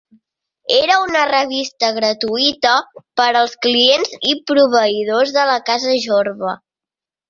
Era una revista gratuïta per als clients i proveïdors de la Casa Jorba.